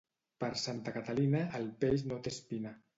Per Santa Catalina, el peix no té espina.